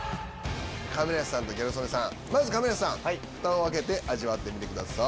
亀梨さんとギャル曽根さん、まず、亀梨さん、ふたを開けて味わってみてください。